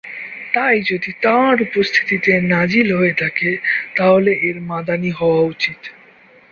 তাই যদি তাঁর উপস্থিতিতে নাযিল হয়ে থাকে তাহলে এর মাদানী হওয়া উচিত।